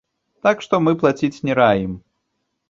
Так што, мы плаціць не раім.